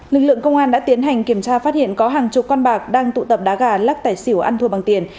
lực lượng công an đã tiến hành kiểm tra phát hiện có hàng chục con bạc đang tụ tập đá gà lắc tài xỉu ăn thua bằng tiền